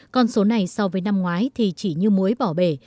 còn số này so với năm ngoái thì chỉ như muối bỏ bề